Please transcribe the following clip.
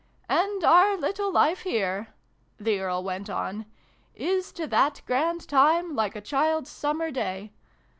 ""And our little life here," the Earl went on, " is, to that grand time, like a child's summer day